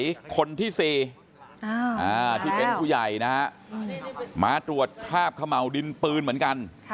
เป็นคนที่๔ที่เป็นผู้ใหญ่นะม้าตรวจทราบขมวดดินปืนเหมือนกัน